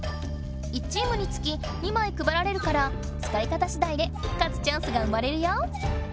１チームにつき２まいくばられるからつかい方しだいで勝つチャンスが生まれるよ。